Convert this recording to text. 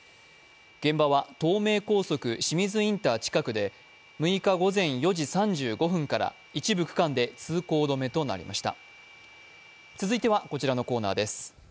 現場は東名高速清水インター近くで、６日午前４時３５分から一部区間で通行止めとなりました。